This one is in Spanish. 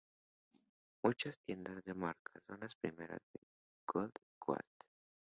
Muchas tiendas de marca son las primeras de Gold Coast.